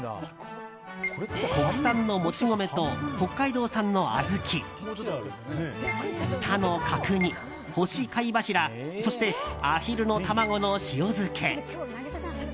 国産のもち米と北海道産の小豆豚の角煮、干し貝柱そして、アヒルの卵の塩漬け。